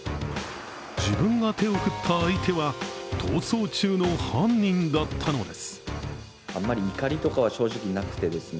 自分が手を振った相手は、逃走中の犯人だったのです。